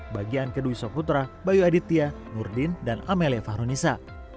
bagian kedua isok putra bayu aditya nurdin dan amelia fahronisa